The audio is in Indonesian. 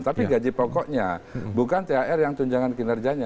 tapi gaji pokoknya bukan thr yang tunjangan kinerjanya